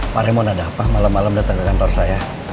pak remon ada apa malam malam datang ke kantor saya